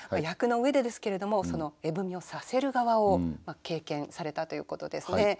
役の上でですけれども絵踏をさせる側を経験されたということですね。